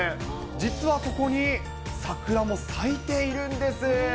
実はここに桜も咲いているんです。